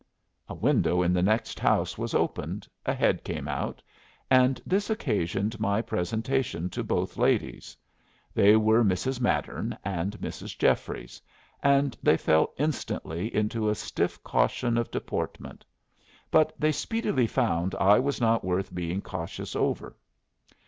A window in the next house was opened, a head put out, and this occasioned my presentation to both ladies. They were Mrs. Mattern and Mrs. Jeffries, and they fell instantly into a stiff caution of deportment; but they speedily found I was not worth being cautious over.